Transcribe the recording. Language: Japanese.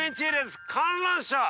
観覧車！